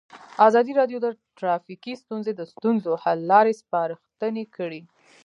ازادي راډیو د ټرافیکي ستونزې د ستونزو حل لارې سپارښتنې کړي.